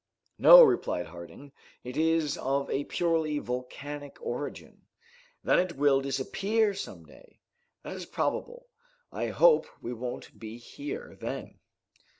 "No," replied Harding; "it is of a purely volcanic origin." "Then it will disappear some day?" "That is probable." "I hope we won't be here then."